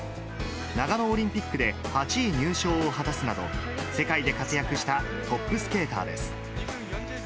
長野オリンピックで、８位入賞を果たすなど、世界で活躍したトップスケーターです。